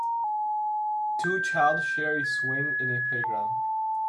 Two child share a swing in a playground.